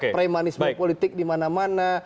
premanisme politik di mana mana